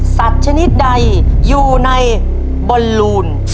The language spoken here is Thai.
สัตว์ชนิดใดอยู่ในบลูน